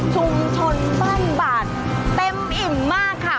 ชุมชนบ้านบาดเต็มอิ่มมากค่ะ